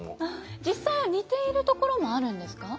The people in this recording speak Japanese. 実際は似ているところもあるんですか。